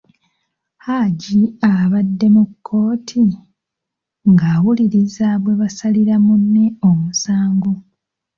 Hajji abaabadde mu kkooti, ng'awuliririza bwe basalirira munne omusango.